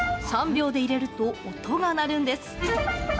３秒で入れると音が鳴るんです。